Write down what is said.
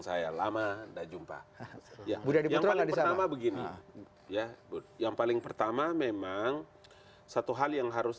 saya lama dan jumpa yang paling pertama begini ya yang paling pertama memang satu hal yang harus